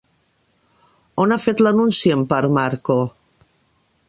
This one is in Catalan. On ha fet l'anunci Empar Marco?